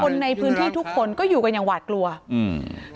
คนในพื้นที่ทุกคนก็อยู่กันอย่างหวาดกลัวอืม